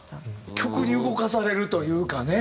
曲に動かされるというかね。